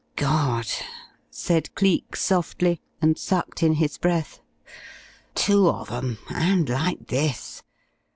"God!" said Cleek, softly, and sucked in his breath. "Two of 'em. And like this!...